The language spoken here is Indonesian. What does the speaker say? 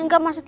ini kalau aa